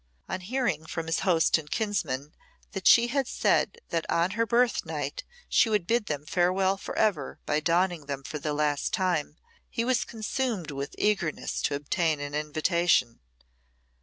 On hearing from his host and kinsman that she had said that on her birth night she would bid them farewell for ever by donning them for the last time, he was consumed with eagerness to obtain an invitation.